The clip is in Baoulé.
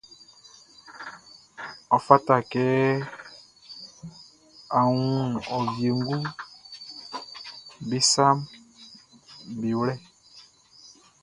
Ɔ fata kɛ a wun ɔ wienguʼm be saʼm be wlɛ.